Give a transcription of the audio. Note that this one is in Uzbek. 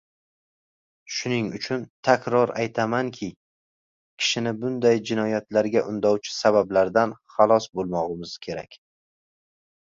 Shuning uchun, takror aytamanki, kishini bunday jinoyatlarga undovchi sabablardan xalos bo‘lmog‘imnz kerak.